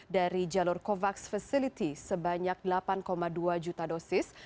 dari jalur covax facility sebanyak delapan dua juta dosis